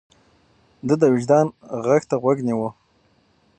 ده د وجدان غږ ته غوږ نيوه.